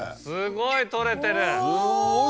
すごい取れてる。